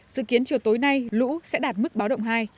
dự kiến chiều tối nay lũ sẽ đạt mức báo động hai